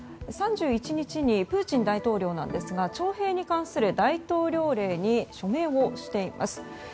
３１日にプーチン大統領ですが徴兵に関する大統領令に署名をしています。